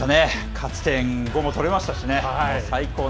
勝ち点５も取れましたし。